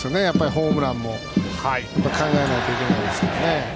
ホームランも考えないといけないですからね。